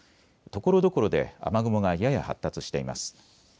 ところどころで雨雲がやや発達しています。